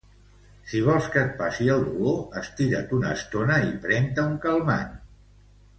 Si vols que et passi el dolor, estira't una estona i pren-te un calmant.